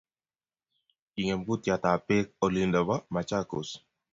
Kingem kutyatab beek olindo bo Machakos